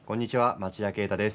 町田啓太です。